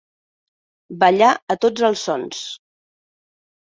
Ballar a tots els sons.